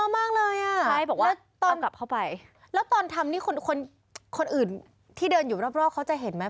มันเยาว์มากเลยอ่ะแล้วตอนทำนี่คนอื่นที่เดินอยู่รอบเขาจะเห็นไหม